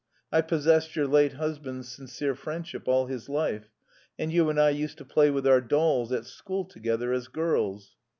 I possessed your late husband's sincere friendship all his life; and you and I used to play with our dolls at school together as girls."